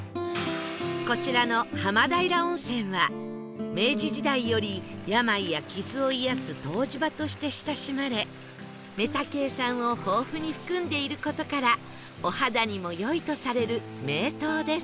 こちらの浜平温泉は明治時代より病や傷を癒やす湯治場として親しまれメタケイ酸を豊富に含んでいる事からお肌にも良いとされる名湯です